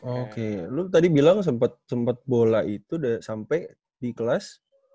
oke lo tadi bilang sempet bola itu udah sampai di kelas